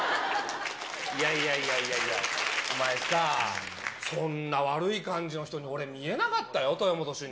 いやいやいやいや、お前さあ、そんな悪い感じの人に俺、見えなかったよ、豊本主任。